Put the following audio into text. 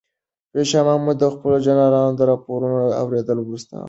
شاه محمود د خپلو جنرالانو د راپورونو اورېدو وروسته عمل وکړ.